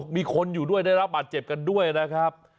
มีคนอยู่ด้วยได้รับบาดเจ็บกันด้วยนะครับ